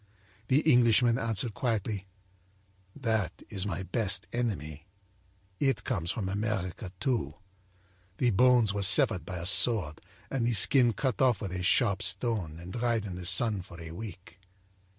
âThe Englishman answered quietly: â'That is my best enemy. It comes from America, too. The bones were severed by a sword and the skin cut off with a sharp stone and dried in the sun for a week.'